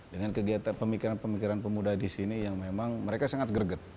dengan kegiatan pemikiran pemikiran pemuda di sini yang memang mereka sangat greget